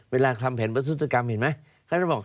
ทำแผนประทุศกรรมเห็นไหม